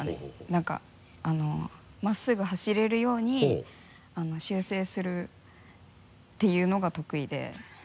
なんか真っすぐ走れるように修正するっていうのが得意で。